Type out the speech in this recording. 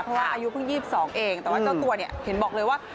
เพราะว่าอายุเพิ่ง๒๒เองแต่ว่าเจ้าตัวเนี่ยเห็นบอกเลยว่า